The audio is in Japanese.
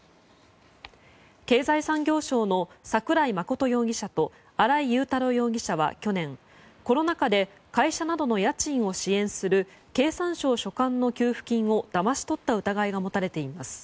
経済産業省の桜井真容疑者と新井雄太郎容疑者は去年、コロナ禍で会社などの家賃を支援する経産省所管の給付金をだまし取った疑いが持たれています。